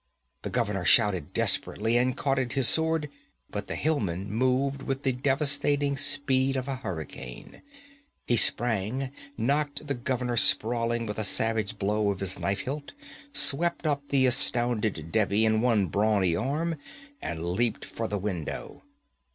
The governor shouted desperately and caught at his sword, but the hillman moved with the devastating speed of a hurricane. He sprang, knocked the governor sprawling with a savage blow of his knife hilt, swept up the astounded Devi in one brawny arm and leaped for the window.